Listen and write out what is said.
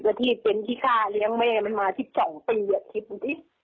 นางปฏิพย์เป็นที่ฆ่าเลี้ยงแม่มันมาพี่สองปีอ่ะทริปสิ